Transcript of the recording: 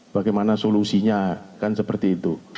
bagaimana solusinya kan seperti itu